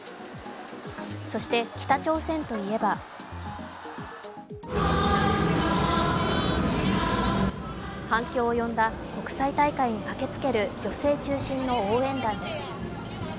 そして北朝鮮といえば反響を呼んだ国際大会に駆けつける女性中心の応援団です。